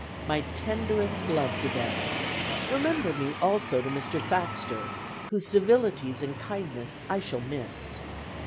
My tenderest love to them. Remember me also to Mr. Thaxter, whose civilities and kindness I shall miss.